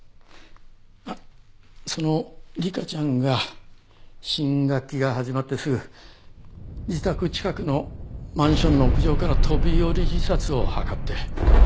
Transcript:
まあその理香ちゃんが新学期が始まってすぐ自宅近くのマンションの屋上から飛び降り自殺を図って。